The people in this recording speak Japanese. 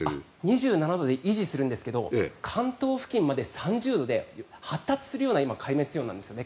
２７度で維持するんですが関東付近まで３０度で発達するような海面水温なんですね。